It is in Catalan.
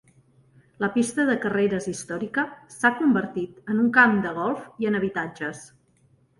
La pista de carreres històrica s'ha convertit en un camp de golf i en habitatges.